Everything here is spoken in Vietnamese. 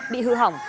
bị hư hỏng